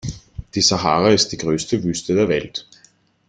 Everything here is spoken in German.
Die Sahara ist die größte Wüste der Welt.